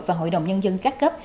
và hội đồng nhân dân các cấp